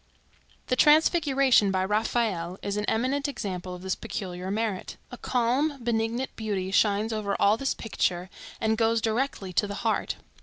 The Transfiguration, by Raphael, is an eminent example of this peculiar merit. A calm benignant beauty shines over all this picture, and goes directly to the heart.